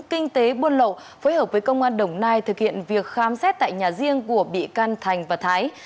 kinh tế buôn lậu phối hợp với công an đồng nai thực hiện việc khám xét tại nhà riêng của bị can thành và thái